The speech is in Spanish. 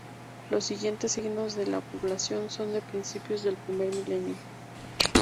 Los siguientes signos de población son de principios del primer milenio.